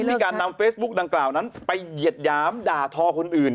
มีการนำเฟซบุ๊กดังกล่าวนั้นไปเหยียดหยามด่าทอคนอื่น